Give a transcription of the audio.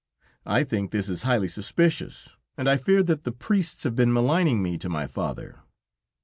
I think this is highly suspicious, and I fear that the priests have been maligning me to my father.